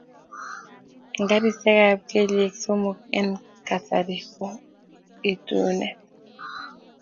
Eng garisiekab kelyek somok eng kasari bo itunet